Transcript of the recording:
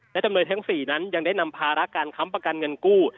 และจำเลยทั้ง๔นั้นยังได้นำภาระการค้ำประกันเงินกู้